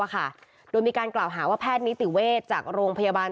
ค่ะโดยมีการกล่าวหาว่าแพทย์นิติเวชจากโรงพยาบาล